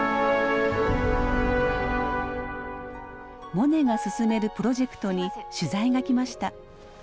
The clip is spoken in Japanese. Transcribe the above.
モネが進めるプロジェクトに取材が来ました。